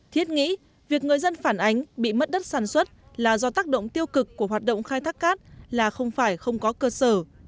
thiết nghĩ việc người dân phản ánh bị mất đất sản xuất là do tác động tiêu cực của hoạt động khai thác cát là không phải không có cơ sở